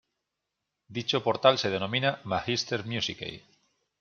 Dicho portal se denomina Magister Musicae.